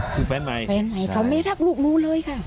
คือแฟนใหม่แฟนใหม่เขาไม่รักลูกหนูเลยค่ะ